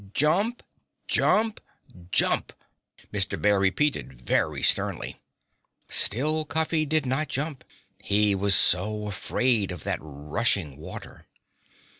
"Jump, jump, jump!" Mr. Bear repeated very sternly. Still Cuffy did not jump. He was so afraid of that rushing water!